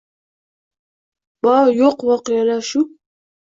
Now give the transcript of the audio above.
Bor-yoʻq voqealar – shu.